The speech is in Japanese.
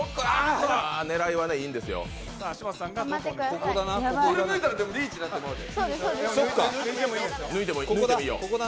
ここ抜いたらリーチになってまうで。